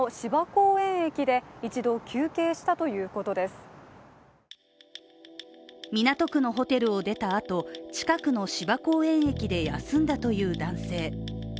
港区のホテルを出たあと、近くの芝公園駅で休んだという男性。